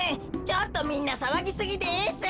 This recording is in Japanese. ちょっとみんなさわぎすぎです！